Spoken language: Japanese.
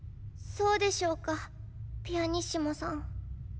そうでしょうかピアニッシモさん。